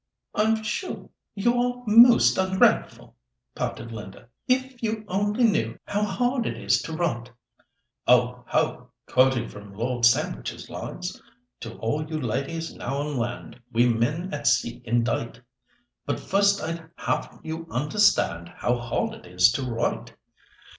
"I'm sure you are most ungrateful," pouted Linda, "If you only knew how hard it is to write!" "Oh, ho! quoting from Lord Sandwich's lines:— 'To all you ladies now on land We men at sea indite, But first I'd have you understand How hard it is to write.